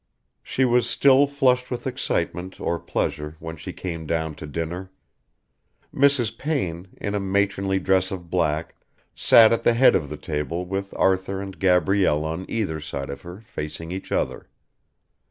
She was still flushed with excitement or pleasure when she came down to dinner. Mrs. Payne, in a matronly dress of black, sat at the head of the table with Arthur and Gabrielle on either side of her facing each other.